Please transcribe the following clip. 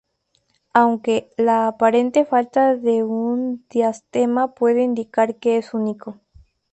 Aunque, la aparente falta de un diastema puede indicar que es único.